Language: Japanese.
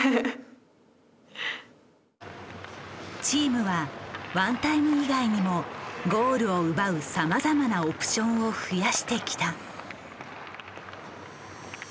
チームはワンタイム以外にもゴールを奪うさまざまなオプションを増やしてきた。